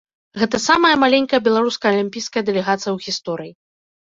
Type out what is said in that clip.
Гэта самая маленькая беларуская алімпійская дэлегацыя ў гісторыі.